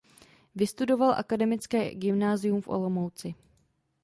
Vystudoval akademické gymnázium v Olomouci.